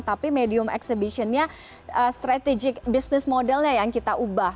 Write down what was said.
tapi medium exhibitionnya strategic business modelnya yang kita ubah